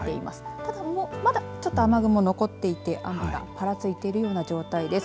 ただ、まだちょっと雨雲が残っていて雨がぱらついているような状態です。